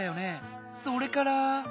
それから。